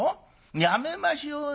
やめましょうよ。